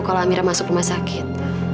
kalau amira masuk rumah sakit